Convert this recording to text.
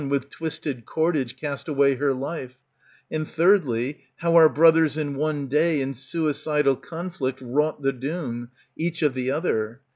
With twisted cordage, cast away her life ; And thirdly, how our brothers in one day In suicidal conflict wrought the doom, Each of the other.